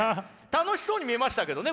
楽しそうに見えましたけどね。